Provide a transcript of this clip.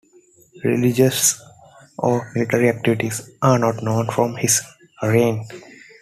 Religious or military activities are not known from his reign.